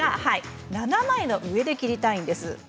７枚の上で切りたいです。